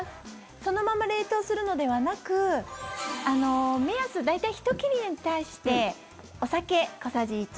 そのまま冷凍するのではなく目安、大体１切れに対してお酒、小さじ１。